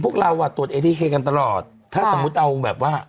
พวกเราอ่ะตรวจเอทีเคกันตลอดถ้าสมมุติเอาแบบว่า